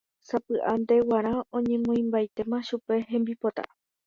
Sapy'aitépe g̃uarã oñemoĩmbaitéma chupe hembipota.